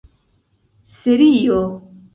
serio